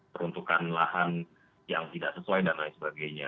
peruntukan lahan yang tidak sesuai dan lain sebagainya